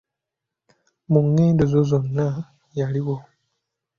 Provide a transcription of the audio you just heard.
Mu ngendo ezo zonna yaliwo.